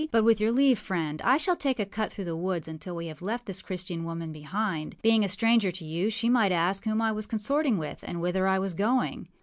âBut with your leave, friend, I shall take a cut through the woods until we have left this Christian woman behind. Being a stranger to you, she might ask whom I was consorting with and whither I was going.